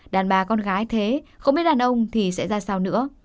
đàn bà con gái thế không biết đàn ông thì sẽ ra sao nữa